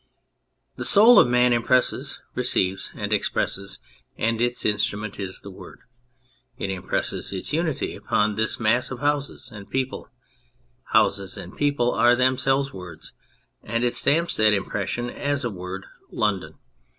The soul of man impresses, receives and expresses, and its instrument is the Word. It impresses its unity upon this mass of houses and people (" houses " and " people " are themselves words), and it stamps that impression as a word :" London."